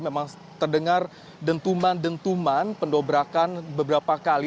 memang terdengar dentuman dentuman pendobrakan beberapa kali